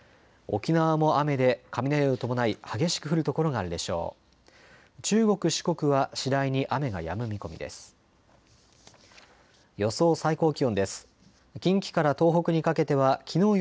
沖縄も雨で雷を伴い激しく降る所があるでしょう。